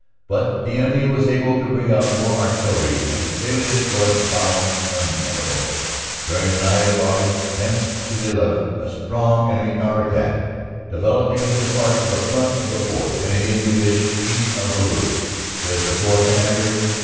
But the enemy was able to bring up more artillery and the salient was found untenable. "During the night of Aug. 10 11 a strong enemy counter attack developed against a part of the front of the 4th. Canadian Division east of Hallu," says the Corps Commander.